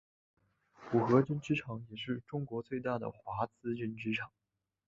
五和针织厂也是中国最大的华资针织厂。